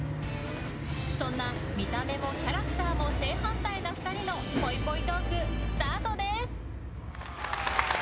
そんな見た目もキャラクターも正反対な２人のぽいぽいトーク、スタートです！